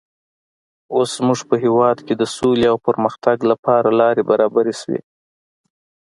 اوس زموږ په هېواد کې د سولې او پرمختګ لپاره لارې برابرې شوې.